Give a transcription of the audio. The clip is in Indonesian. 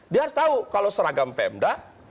dia harus tahu kalau seragam pemda